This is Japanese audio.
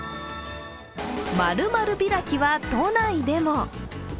○○開きは都内でも。